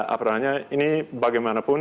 apakah ini bagaimanapun